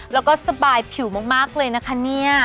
แล้วก็สบายผิวมากเลยนะคะเนี่ย